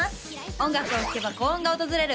音楽を聴けば幸運が訪れる